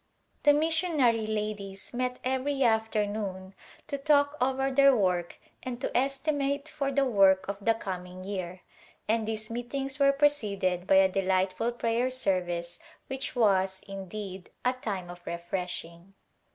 The missionary ladies met every afternoon to talk over their work and to estimate for the work of the coming year, and these meetings were preceded by a A Glimpse of India delightful prayer service which was, indeed, a time of refreshing.